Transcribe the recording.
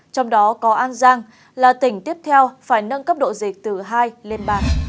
trong đó có an giang là tỉnh tiếp theo phải nâng cấp độ dịch từ hai lên ba